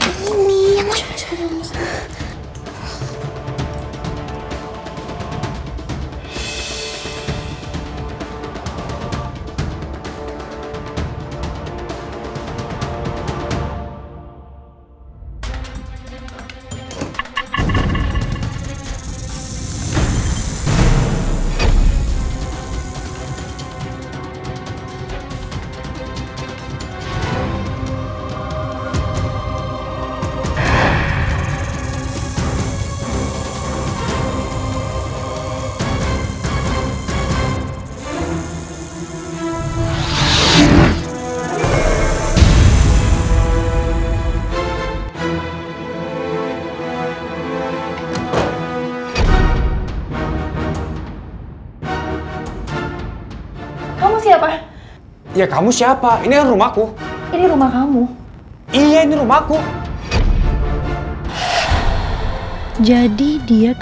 sini aku membantu kamu lewat